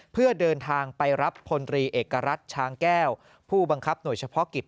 เพื่อเดินทางไปรับพลตรีเอกรัฐช้างแก้วผู้บังคับหน่วยเฉพาะกิจ